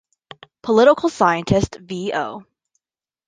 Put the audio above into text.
Political scientist V. O.